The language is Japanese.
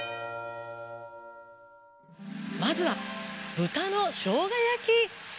まずはぶたのしょうがやき。